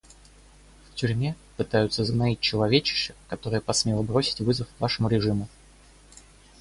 В тюрьме пытаются сгноить человечище, которое посмело бросить вызов вашему режиму.